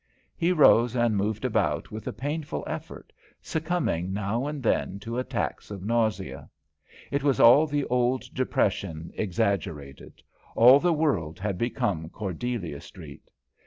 He rose and moved about with a painful effort, succumbing now and again to attacks of nausea. It was the old depression exaggerated; all the world had become Cordelia Street.